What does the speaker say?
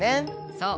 そう。